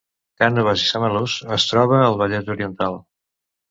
Cànoves i Samalús es troba al Vallès Oriental